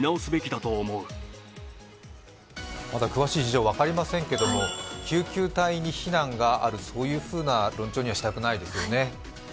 中消防署はまだ詳しい事情は分かりませんけれども救急隊に非難がある、そういうふうな論調にはしたくないですよね。